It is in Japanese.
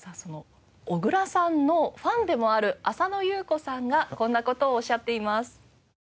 小倉さんのファンでもある浅野ゆう子さんがこんな事をおっしゃっています。